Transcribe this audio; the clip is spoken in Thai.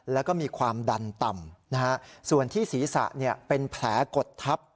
แล้วก็มีความดันต่ำนะฮะส่วนที่ศีรษะเป็นแผลกดทับ